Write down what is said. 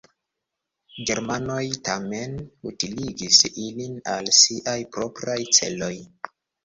Germanoj tamen utiligis ilin al siaj propraj celoj.